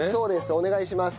お願いします。